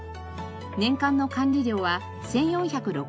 年間の管理料は１４６０円からです。